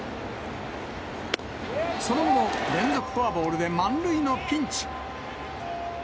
その後も連続フォアボールで満塁のピンチ。